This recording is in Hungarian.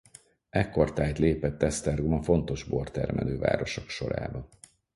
Ekkortájt lépett Esztergom a fontos bortermelő városok sorába.